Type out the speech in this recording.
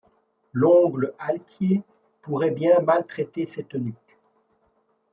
L'ongle altier pourrait bien maltraiter cette nuque ;